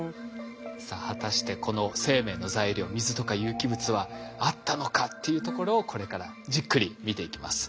さあ果たしてこの生命の材料水とか有機物はあったのかっていうところをこれからじっくり見ていきます。